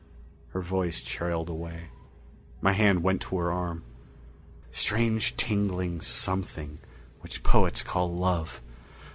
Her voice trailed away. My hand went to her arm. Strange tingling something which poets call love!